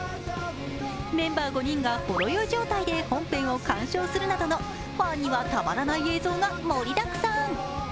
メンバー５人がほろ酔い状態で本編を鑑賞するなどのファンには、たまらない映像が盛りだくさん。